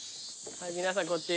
皆さんこっち。